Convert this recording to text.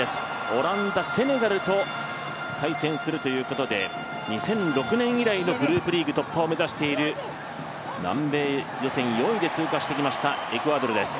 オランダ、セネガルと対戦するということで２００６年以来のグループリーグ突破を目指している南米予選４位で通過してきましたエクアドルです。